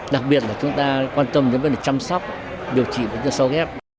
đặc biệt là chúng ta quan tâm đến việc chăm sóc điều trị sau ghép